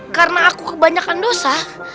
karena aku kebanyakan dosa